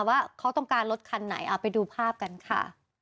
ว่าเขาต้องการรถคันไหนเอาไปดูภาพกันค่ะ